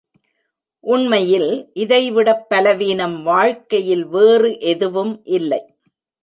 உண்மையில் இதைவிடப் பலவீனம் வாழ்க்கையில் வேறு எதுவும் இல்லை.